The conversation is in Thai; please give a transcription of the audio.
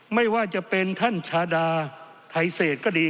ไม่ว่าจะเป็นท่านชาดาไทเศษก็ดี